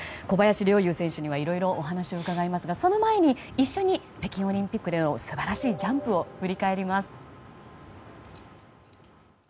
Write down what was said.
小林陵侑選手にはいろいろ、お話を伺いますがその前に、一緒に北京オリンピックでの素晴らしいジャンプを振り返ります。